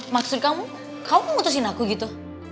maksud kamu kamu memutuskan aku gitu